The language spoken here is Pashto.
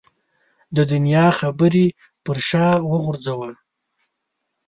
د دنیا خبرې پر شا وغورځوه.